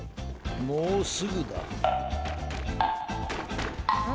もうすぐだ。